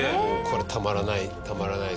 これたまらないですね。